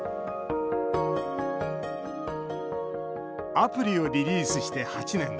アプリをリリースして８年。